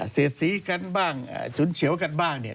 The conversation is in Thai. เสียดสีกันบ้างฉุนเฉียวกันบ้างเนี่ย